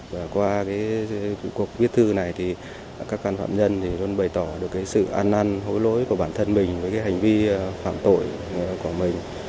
và qua cuộc viết thư này các can phạm nhân luôn bày tỏ được sự an năn hối lỗi của bản thân mình với hành vi phạm tội của mình